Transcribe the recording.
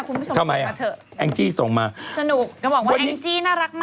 คุณผู้ชมส่งมาเถอะสนุกก็บอกว่าแองจี้น่ารักมากอะไรอย่างนี้